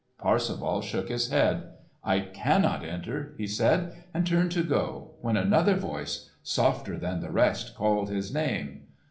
Parsifal shook his head. "I cannot enter," he said, and turned to go, when another voice softer than the rest called his name.